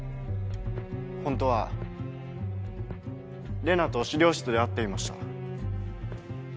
ホントはレナと資料室で会っていました。